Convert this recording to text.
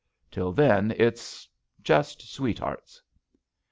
Till then, it's — ^just sweethearts."